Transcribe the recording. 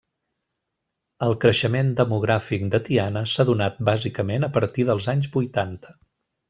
El creixement demogràfic de Tiana s'ha donat bàsicament a partir dels anys vuitanta.